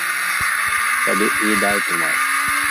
তবে এ দায় তােমার!